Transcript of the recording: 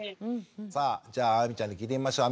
さあじゃあ亜美ちゃんに聞いてみましょう。